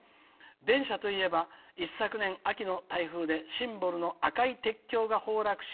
電車といえば一昨年秋の台風でシンボルの赤い鉄橋が崩落し」。